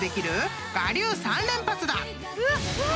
うわっうわ！